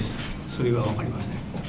それ以外は分かりません。